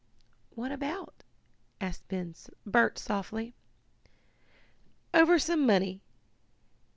"What about?" asked Bert softly. "Over some money.